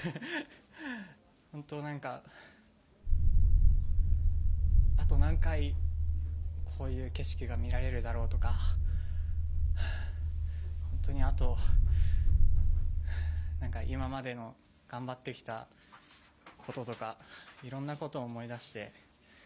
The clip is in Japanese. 本当、なんかあと何回、こういう景色が見られるだろうとかあと今までの頑張ってきたこととかいろんなことを思い出して。